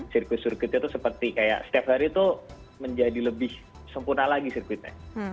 sirkuit sirkuitnya itu seperti kayak setiap hari itu menjadi lebih sempurna lagi sirkuitnya